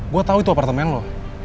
gue tahu itu apartemen loh